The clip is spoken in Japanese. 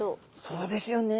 そうですよね。